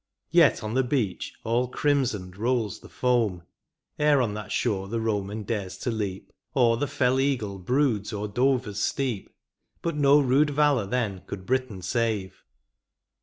Yet on the beach all crimsoned rolls the foam. Ere on that shore the Boman dares to leap, Or the fell eagle broods o er Dover's steep. But no rude valour then could Britain save.